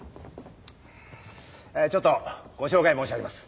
ちょっとご紹介申し上げます。